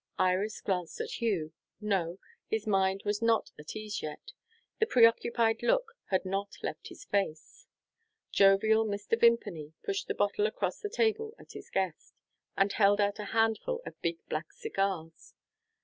Iris glanced at Hugh. No; his mind was not at ease yet; the preoccupied look had not left his face. Jovial Mr. Vimpany pushed the bottle across the table to his guest, and held out a handful of big black cigars.